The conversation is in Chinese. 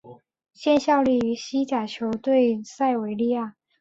现效力于西甲球队塞维利亚。